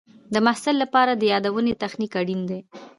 د محصل لپاره د یادونې تخنیک اړین دی.